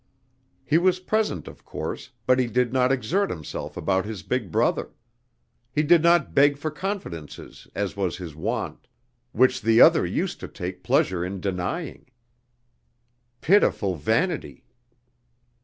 He was present of course but he did not exert himself about his big brother; he did not beg for confidences as was his wont, which the other used to take pleasure in denying. Pitiful vanity!